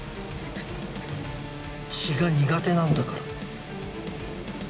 血が苦手なんだから。